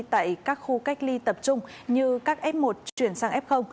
tại các khu cách ly tập trung như các f một chuyển sang f